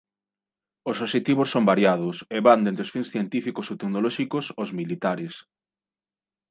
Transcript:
Os obxectivos son variados e van dende os fins científicos ou tecnolóxicos ós militares.